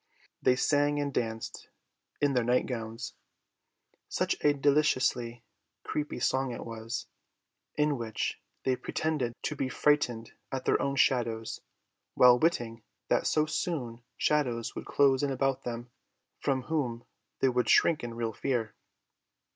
They sang and danced in their night gowns. Such a deliciously creepy song it was, in which they pretended to be frightened at their own shadows, little witting that so soon shadows would close in upon them, from whom they would shrink in real fear.